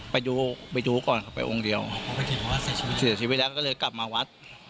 ไปดูไปดูก่อนค่ะไปองค์เดียวเสียชีวิตแล้วก็เลยกลับมาวัด